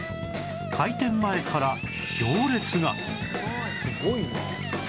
開店前から行列が